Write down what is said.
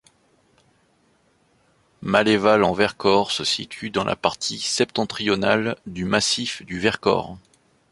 Malleval-en-Vercors se situe dans la partie septentrionale du massif du Vercors.